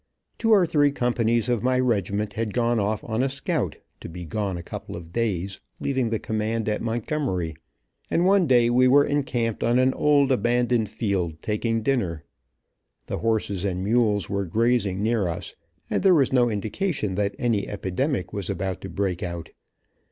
Two or three companies of my regiment had gone off on a scout, to be gone a couple of days, leaving the command at Montgomery, and one day we were encamped on an old abandoned field, taking dinner. The horses and mules were grazing near us, and there was no indication that any epidemic was about to break out.